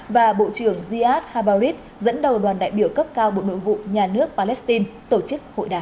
và bộ trưởng riad habarit dẫn đầu đoàn đại biểu cấp cao bộ nội vụ nhà nước palestine tổ chức hội đàm